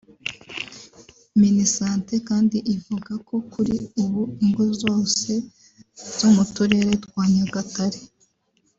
Minisante kandi ivuga ko kuri ubu ingo zose zo mu Turere twa Nyagatare